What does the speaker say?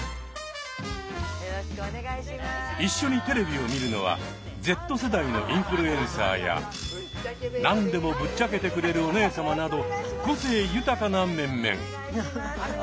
一緒にテレビを見るのはＺ世代のインフルエンサーや何でもぶっちゃけてくれるおねえさまなど個性豊かな面々。